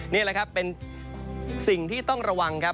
นี่แหละครับเป็นสิ่งที่ต้องระวังครับ